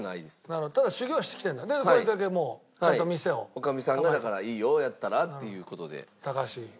女将さんがだからいいよやったら？という事で。